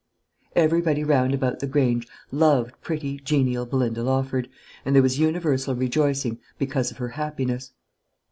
Everybody round about the Grange loved pretty, genial Belinda Lawford, and there was universal rejoicing because of her happiness.